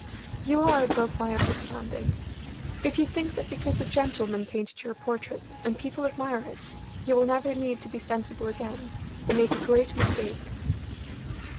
You are above my understanding. If you think that because a gentleman painted your portrait, and people admire it, you will never need to be sensible again, you make a great mistake."